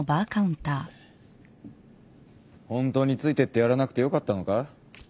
ホントについてってやらなくてよかったのか？